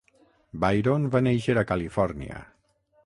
Byron va néixer a Califòrnia.